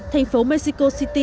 thành phố mexico city